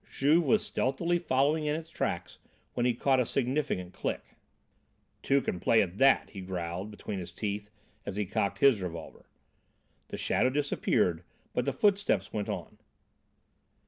Juve was stealthily following in its tracks when he caught a significant click. "Two can play at that," he growled between his teeth, as he cocked his revolver. The shadow disappeared, but the footsteps went on.